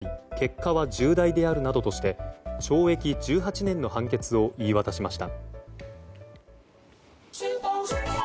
卑劣で冷酷な犯行であり結果は重大であるなどとして懲役１８年の判決を言い渡しました。